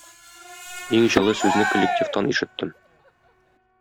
Иң җылы сүзне коллективтан ишеттем.